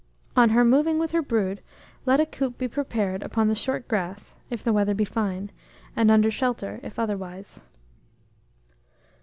On her moving with her brood, let a coop be prepared upon the short grass, if the weather be fine, and under shelter, if otherwise."